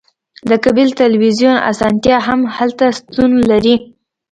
د کیبل تلویزیون اسانتیا هم هلته شتون لري